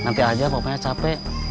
nanti aja bapaknya capek